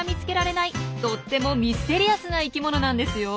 とってもミステリアスな生きものなんですよ。